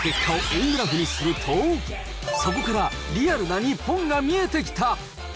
その結果を円グラフにすると、そこからリアルな日本が見えてきた。